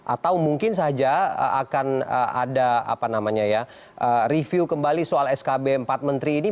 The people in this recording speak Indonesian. atau mungkin saja akan ada review kembali soal skb empat menteri ini